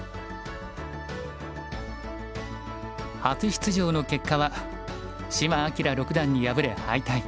初出場の結果は島朗六段に敗れ敗退。